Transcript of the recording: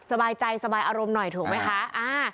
สบายใจสบายอารมณ์หน่อยถูกไหมคะ